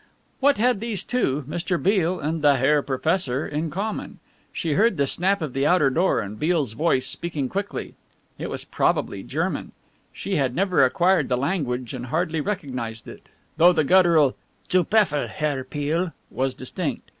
What had these two, Mr. Beale and the "Herr Professor," in common? She heard the snap of the outer door, and Beale's voice speaking quickly. It was probably German she had never acquired the language and hardly recognized it, though the guttural "Zu befel, Herr Peale" was distinct.